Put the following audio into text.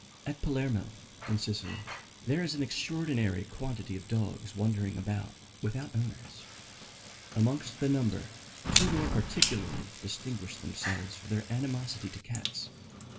At Palermo, in Sicily, there is an extraordinary quantity of dogs wandering about without owners. Amongst the number, two more particularly distinguished themselves for their animosity to cats.